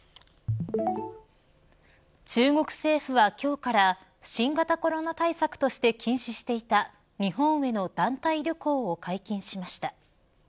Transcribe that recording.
中国政府は今日から新型コロナ対策として禁止していた日本への団体旅行を解禁しました。